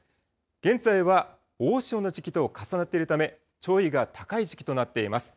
現在は大潮の時期と重なっているため、潮位が高い時期となっています。